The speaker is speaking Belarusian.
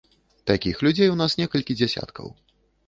Такіх людзей у нас некалькі дзясяткаў.